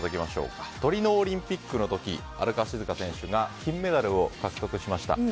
トリノオリンピックの時荒川静香選手が金メダルを獲得しました。